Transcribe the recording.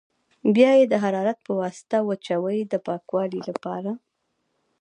بیا یې د حرارت په واسطه وچوي د پاکوالي لپاره.